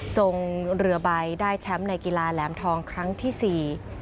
ทรงเรือใบได้แชมป์ในกีฬาแหลมทองครั้งที่สี่